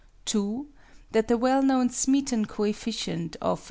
(2) that the well known Smeaton coefficient of